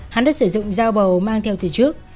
hắn đã sử dụng dao bầu mang theo từ trước